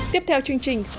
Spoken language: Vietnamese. tiếp theo chương trình